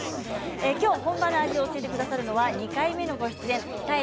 きょう本場の味を教えてくださるのは２回目のご出演